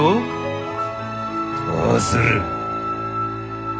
どうする？